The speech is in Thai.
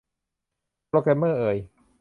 โปรแกรมเมอร์เอย